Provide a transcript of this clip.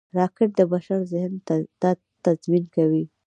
راکټ د بشر ذهن ته تعظیم کوي